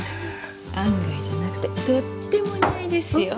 案外じゃなくてとってもお似合いですよ。